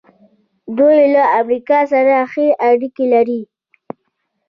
دوی له امریکا سره ښې اړیکې لري.